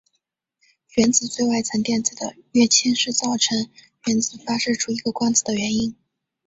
原子最外层电子的跃迁是造成原子发射出一个光子的原因。